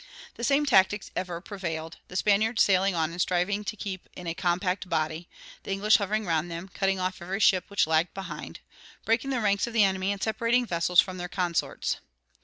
The same tactics ever prevailed, the Spaniards sailing on and striving to keep in a compact body, the English hovering round them, cutting off every ship which lagged behind, breaking the ranks of the enemy, and separating vessels from their consorts.